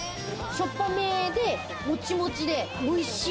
しょっぱめでモチモチでおいしい！